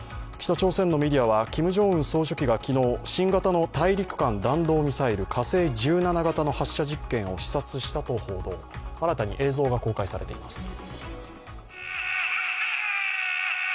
北朝鮮のメディアは、キム・ジョンウン総書記が昨日、新型の大陸間弾道ミサイル、火星１７型の発射実験を視察したと報道、新たに映像が公開されています。